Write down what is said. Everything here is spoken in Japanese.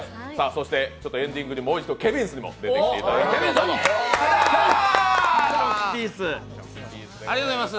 そしてエンディングにもう一度、ケビンスにも出てきていただきます。